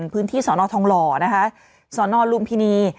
พื้นที่สอนอทองหล่อนะคะสนลุมพินี